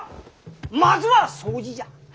まずは掃除じゃ。